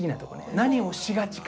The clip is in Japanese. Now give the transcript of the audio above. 何をしがちか。